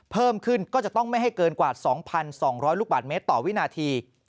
เพิ่มขึ้นก็จะต้องไม่ให้เกินกว่า๒๒๐๐ลูกบาทเมตรต่อวินาที